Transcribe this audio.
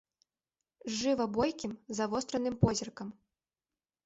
З жыва бойкім, завостраным позіркам.